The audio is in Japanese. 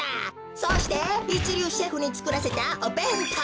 そしていちりゅうシェフにつくらせたおべんとう。